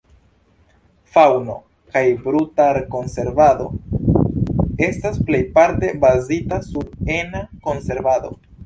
Faŭno- kaj brutar-konservado estas plejparte bazita sur ena konservado.